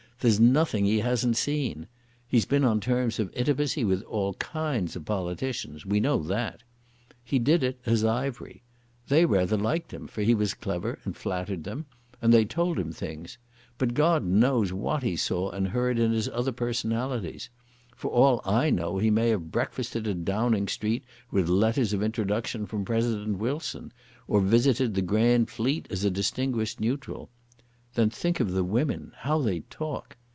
There's nothing he hasn't seen. He's been on terms of intimacy with all kinds of politicians. We know that. He did it as Ivery. They rather liked him, for he was clever and flattered them, and they told him things. But God knows what he saw and heard in his other personalities. For all I know he may have breakfasted at Downing Street with letters of introduction from President Wilson, or visited the Grand Fleet as a distinguished neutral. Then think of the women; how they talk.